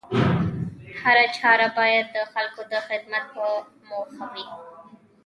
هره چاره بايد د خلکو د خدمت په موخه وي